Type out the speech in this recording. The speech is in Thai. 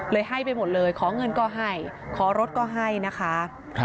ให้ไปหมดเลยขอเงินก็ให้ขอรถก็ให้นะคะ